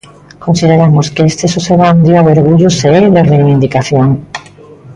Consideramos que este só será un Día de Orgullo se é de reivindicación.